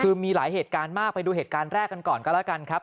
คือมีหลายเหตุการณ์มากไปดูเหตุการณ์แรกกันก่อนก็แล้วกันครับ